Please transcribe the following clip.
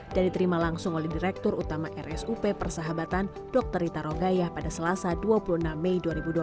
diterima langsung oleh direktur utama rsup persahabatan dr rita rogaya pada selasa dua puluh enam mei dua ribu dua puluh